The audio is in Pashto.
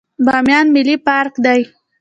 بامیان ملي پارک دی